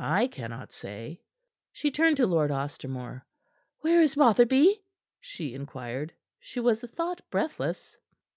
"I cannot say." She turned to Lord Ostermore. "Where is Rotherby?" she inquired. She was a thought breathless.